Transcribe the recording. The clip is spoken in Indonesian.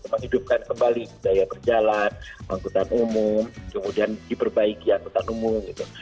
menghidupkan kembali budaya berjalan angkutan umum kemudian diperbaiki angkutan umum gitu